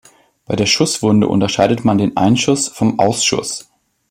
Bei der Schusswunde unterscheidet man den "Einschuss" vom "Ausschuss".